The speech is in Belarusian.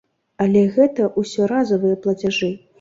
Але гэта ўсё разавыя плацяжы.